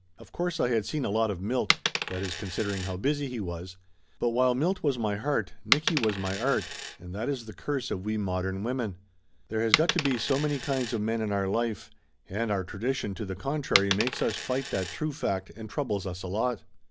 Of course I had seen a lot of Milt that is, considering how busy he was but while Milt was my heart, Nicky was my art, and that is the curse of we modern women; there has got to be so many kinds of men in our life, and our tradition to the contrary, makes us fight that true fact, and troubles us a lot.